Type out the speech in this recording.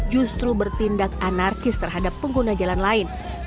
dan juga berpikir pikir bertindak anarkis terhadap pengguna jalan lain